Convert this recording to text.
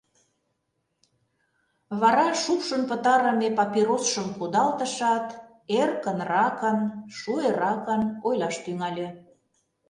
Вара шупшын пытарыме папиросшым кудалтышат, эркынракын, шуэракын ойлаш тӱҥале.